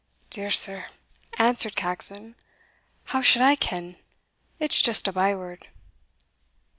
"Dear sir," answered Caxon, "how should I ken? it's just a by word."